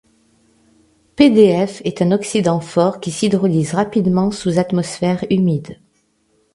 PdF est un oxydant fort qui s'hydrolyse rapidement sous atmosphère humide.